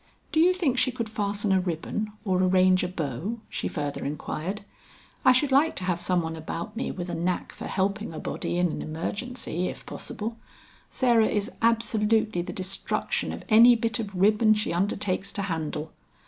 "Do you think she could fasten a ribbon, or arrange a bow?" she further inquired. "I should like to have some one about me with a knack for helping a body in an emergency, if possible. Sarah is absolutely the destruction of any bit of ribbon she undertakes to handle.